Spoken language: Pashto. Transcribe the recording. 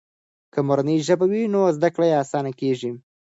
که مورنۍ ژبه وي نو زده کړه آسانه کیږي.